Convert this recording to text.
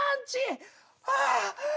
ああ！